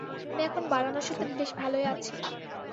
আমি এখন বারাণসীতে বেশ ভালই আছি।